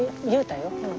言うたよ。